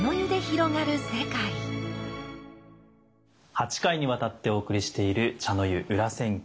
８回にわたってお送りしている「茶の湯裏千家」。